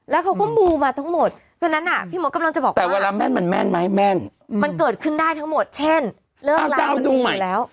แล้วเขาก็มูมาทั้งหมดดังนั้นพี่มดกำลังจะบอกว่ามันเกิดขึ้นได้ทั้งหมดเช่นเรื่องราวมันมีอยู่แล้ว